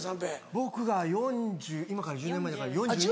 僕が４０今から１０年前だから４２です。